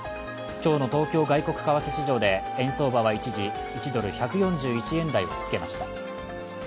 今日の東京外国為替市場で円相場は一時１ドル＝１４１円台をつけました。